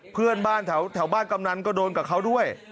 เพื่อนบ้านแถวบ้านกำนันก็โดนกับเขาด้วย